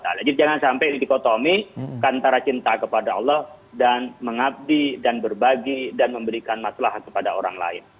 jadi jangan sampai dipotomi antara cinta kepada allah dan mengabdi dan berbagi dan memberikan masalah kepada orang lain